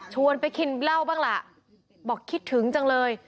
ไปกินเหล้าบ้างล่ะบอกคิดถึงจังเลย